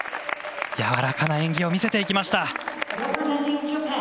やわらかな演技を見せていきました。